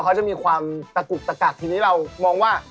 เขาจะมีความตะกุกตะกักทีนี้เรามองว่า